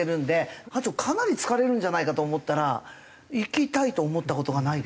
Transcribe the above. あとかなり疲れるんじゃないかと思ったら行きたいと思った事がないです。